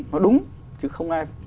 nó đúng chứ không ai